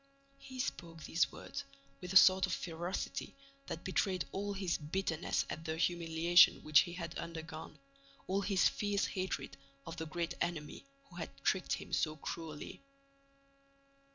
He spoke these words with a sort of ferocity that betrayed all his bitterness at the humiliations which he had undergone, all his fierce hatred of the great enemy who had tricked him so cruelly.